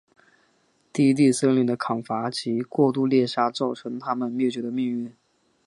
低地森林的砍伐及过度猎杀造成它们灭绝的命运。